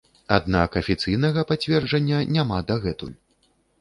Аднак афіцыйнага пацверджання няма дагэтуль.